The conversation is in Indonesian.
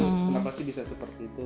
kenapa sih bisa seperti itu